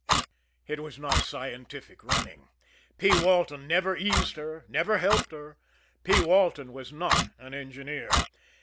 It was not scientific running P. Walton never eased her, never helped her P. Walton was not an engineer.